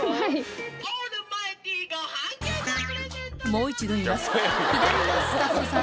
もう一度言います